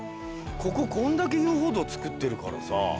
こここんだけ遊歩道造ってるからさ